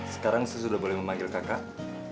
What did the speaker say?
sekarang saya sudah boleh memanggil kakak